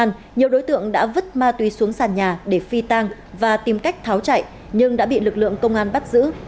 tuy nhiên nhiều đối tượng đã vứt ma túy xuống sàn nhà để phi tang và tìm cách tháo chạy nhưng đã bị lực lượng công an bắt giữ